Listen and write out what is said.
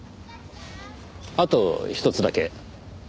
あとひとつだけ。